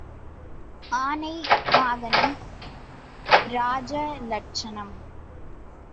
ஆனை வாகனம் ராஜ லட்சணம்.